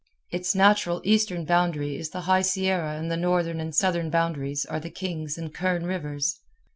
Its natural eastern boundary is the High Sierra and the northern and southern boundaries are the Kings and Kern Rivers.